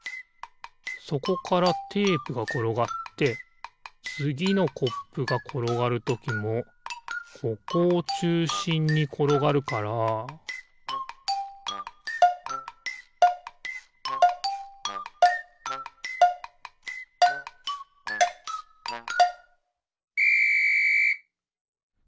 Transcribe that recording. そこからテープがころがってつぎのコップがころがるときもここをちゅうしんにころがるからピッ！